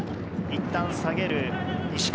いったん下げる。